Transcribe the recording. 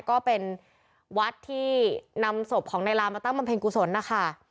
ก็เป็นวัดที่นำศพของนายลามาตั้งบำเพ็ญกุศลนะคะ